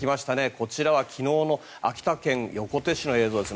こちらは昨日の秋田県横手市の映像です。